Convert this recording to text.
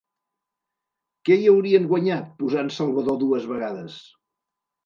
Què hi haurien guanyat posant Salvador dues vegades?